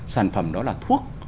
sản phẩm đó là thuốc